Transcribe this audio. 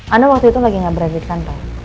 anda waktu itu lagi nggak beredit kan pak